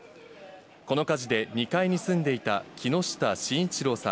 この火事で２階に住んでいた木下信一郎さん